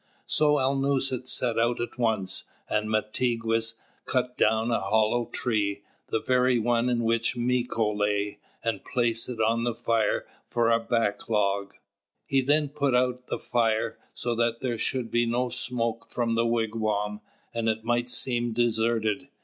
So Alnūset set out at once; and Mātigwess cut down a hollow tree, the very one in which Mīko lay, and placed it on the fire for a backlog. He then put out the fire, so that there should be no smoke from the wigwam, and it might seem deserted.